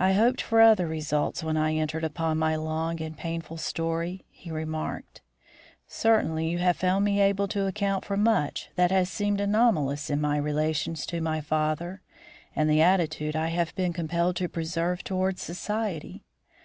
"I hoped for other results when I entered upon my long and painful story," he remarked. "Certainly you have found me able to account for much that has seemed anomalous in my relations to my father and the attitude I have been compelled to preserve towards society.